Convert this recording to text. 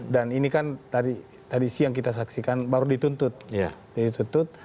dan ini kan tadi siang kita saksikan baru dituntut